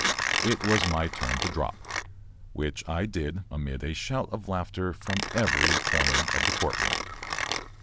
It was my turn to drop, which I did amid a shout of laughter from every corner of the court room.